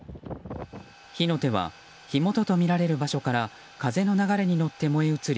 火の手は火元とみられる場所から風の流れに乗って燃え移り